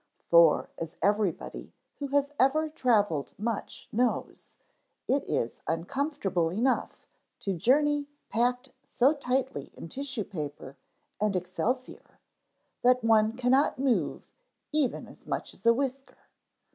For, as everybody who has ever travelled much knows, it is uncomfortable enough to journey packed so tightly in tissue paper and excelsior that one cannot move even as much as a whisker.